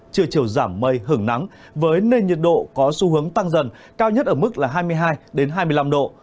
trưa chiều giảm mây hưởng nắng với nền nhiệt độ có xu hướng tăng dần cao nhất ở mức hai mươi hai hai mươi năm độ